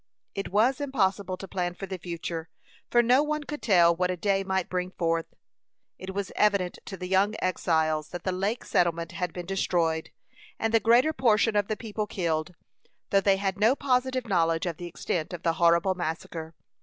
It was impossible to plan for the future, for no one could tell what a day might bring forth. It was evident to the young exiles that the lake settlement had been destroyed, and the greater portion of the people killed, though they had no positive knowledge of the extent of the horrible massacre.